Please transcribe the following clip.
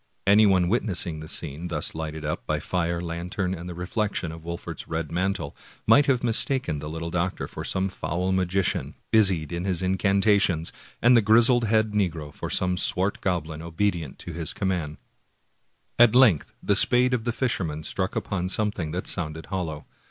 Anyone witnessing the scene thus lighted up by fire, lantern, and the reflection of Wolfert's red mantle, might have mistaken the little doctor for some foul magi cian, busied in his incantations, and the grizzly headed negro for some swart goblin obedient to his commands. At length the spade of the fisherman struck upon some thing that sounded hollow.